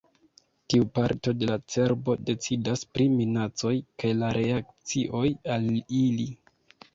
Tiu parto de la cerbo decidas pri minacoj kaj la reakcioj al ili.